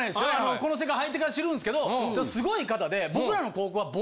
この世界入ってから知るんすけどすごい方で僕らの。